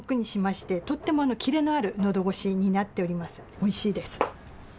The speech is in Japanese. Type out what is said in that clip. おいしいです。